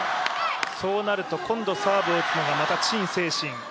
そうなると今度サーブを打つのがまた陳清晨。